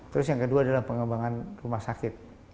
terus yang kedua adalah pengembangan rumah sakit